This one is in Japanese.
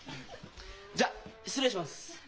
じゃあ失礼します。